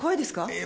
ええ。